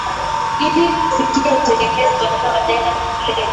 ili kufikiaUtegemezi bandia wa dawa za kulevya